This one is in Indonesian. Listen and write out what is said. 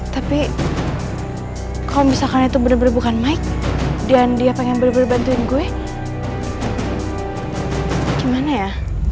tapi kalau misalkan itu benar benar bukan mike dan dia pengen bener bener bantuin gue gimana ya